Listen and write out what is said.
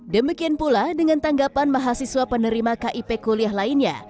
demikian pula dengan tanggapan mahasiswa penerima kip kuliah lainnya